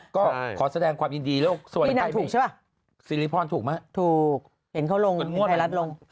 ก็ขอแสดงความยินดีโลกส่วนใหม่พี่นักถูกใช่ป่ะซิริฟอร์นถูกไหมถูกเห็นเขาลงไพรัสลง